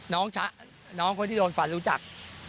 น้องชะน้องคนที่โดนฟันรู้จัก